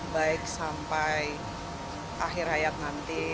baik sampai akhir hayat nanti